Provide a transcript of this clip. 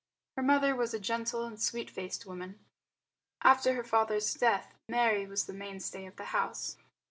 Her mother was a gentle and sweet faced woman. After her father's death Mary was the mainstay of the home.